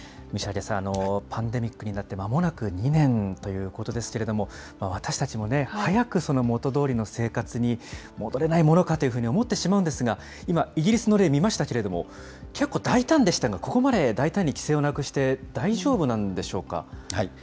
虫明さん、パンデミックになってまもなく２年ということですけれども、私たちも早く元どおりの生活に戻れないものかというふうに思ってしまうんですが、今、イギリスの例、見ましたけれども、結構、大胆でしたが、ここまで大胆に規制をなくして大丈夫なんでしょうか。